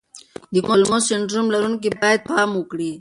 د کولمو سنډروم لرونکي باید پام وکړي.